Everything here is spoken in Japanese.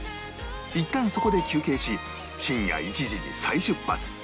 いったんそこで休憩し深夜１時に再出発